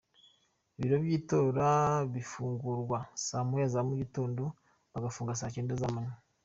Ibiro by’itora bifungurwa saa moya za mu gitondo bigafungwa saa cyenda z’amanywa.